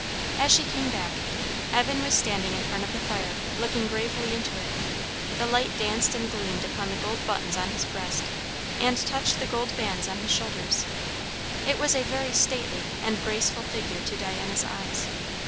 As she came back, Evan was standing in front of the fire, looking gravely into it. The light danced and gleamed upon the gold buttons on his breast, and touched the gold bands on his shoulders; it was a very stately and graceful figure to Diana's eyes.